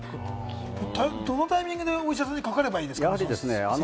どのタイミングでお医者さんにかかればいいですか？